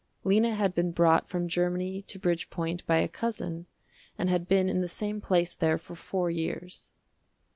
Lena had been brought from Germany to Bridgepoint by a cousin and had been in the same place there for four years.